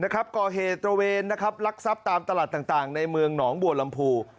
ก่อเหตุตระเวนลักทรัพย์ตามตลาดต่างในเมืองหนองบัวลำพู